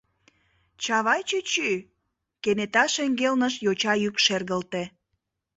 Чавай чӱчӱ! — кенета шеҥгелнышт йоча йӱк шергылте.